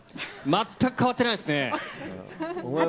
全く変わってないです。